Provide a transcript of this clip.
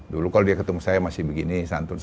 dulu kalau dia ketemu saya masih begini santun